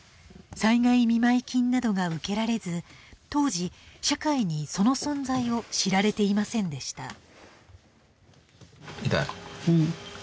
災害見舞金などが受けられず、当時、社会にその存在を知られていませんでした。